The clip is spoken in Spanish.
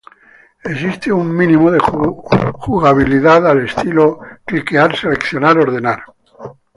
Existe un mínimo de jugabilidad al estilo "clickear-seleccionar-ordenar".